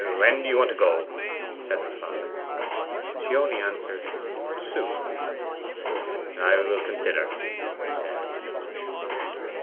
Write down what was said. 'When do you want to go?' said her father. She only answered, 'Soon.' 'I will consider,' he said.